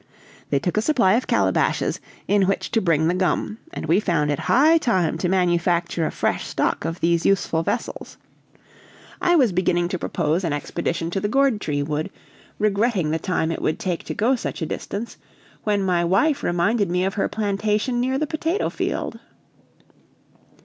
They took a supply of calabashes, in which to bring the gum, and we found it high time to manufacture a fresh stock of these useful vessels. I was beginning to propose an expedition to the Gourd tree Wood, regretting the time it would take to go such a distance, when my wife reminded me of her plantation near the potato field.